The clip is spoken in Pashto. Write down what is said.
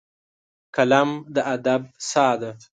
قلم د ادب ساه ده